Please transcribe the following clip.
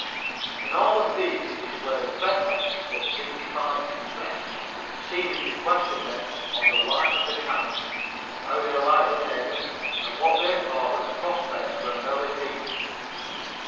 In all of these he displayed a friendly but dignified interest, seeming to question them on the life of the camp, how they liked the Navy and what they thought were the prospects for an early peace.